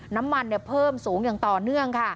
น้ำมันเพิ่มสูงอย่างต่อเนื่องค่ะ